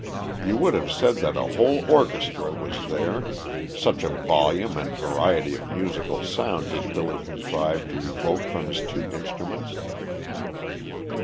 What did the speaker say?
You would have said that a whole orchestra was there, such a volume and variety of musical sound did Billy contrive to evoke from his two instruments.